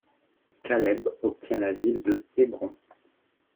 Caleb obtient la ville de Hébron.